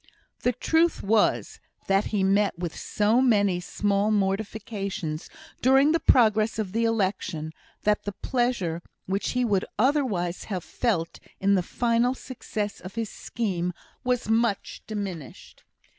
The truth was, that he had met with so many small mortifications during the progress of the election, that the pleasure which he would otherwise have felt in the final success of his scheme was much diminished.